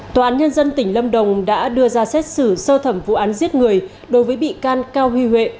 tòa án nhân dân tỉnh lâm đồng đã đưa ra xét xử sơ thẩm vụ án giết người đối với bị can cao huy huệ